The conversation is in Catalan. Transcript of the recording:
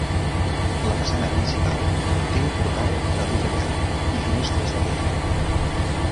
La façana principal té un portal adovellat i finestres de pedra.